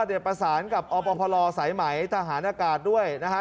เดี๋ยวประสานกับอปพลสายไหมทหารอากาศด้วยนะฮะ